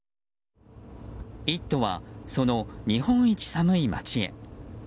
「イット！」はその日本一寒い町へ。